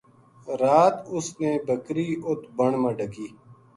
رات اس نے بکری اُت بن ما ڈکی